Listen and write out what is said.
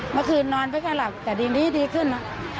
เมื่อคืนนอนไปก็หลับแต่ดีดีขึ้นนะ